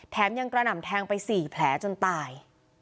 ยังกระหน่ำแทงไป๔แผลจนตาย